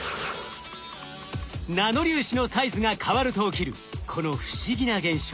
ナノ粒子のサイズが変わると起きるこの不思議な現象。